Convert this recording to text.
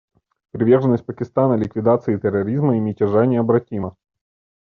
Приверженность Пакистана ликвидации терроризма и мятежа необратима.